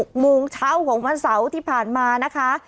สร้างข้อมูลจอลช่วงเวลาวันสาวที่ผ่านมานะคะ